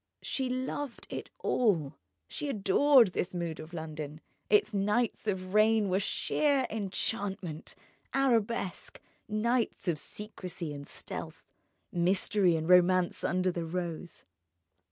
She loved it all, she adored this mood of London: its nights of rain were sheer enchantment, arabesque, nights of secrecy and stealth, mystery, and romance under the rose.